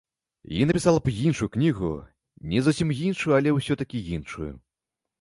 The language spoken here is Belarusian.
І напісала б іншую кнігу, не зусім іншую, але ўсё-такі іншую.